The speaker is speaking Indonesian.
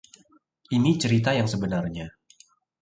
Ini cerita yang sebenarnya.